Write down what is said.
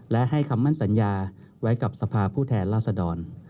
และให้คำมั่นสัญญาไว้กับสภาพผู้แทนราษดร